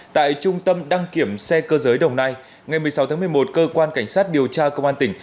tại trung tâm đăng kiểm xe cơ giới đồng nai ngày một mươi sáu tháng một mươi một cơ quan cảnh sát điều tra công an tỉnh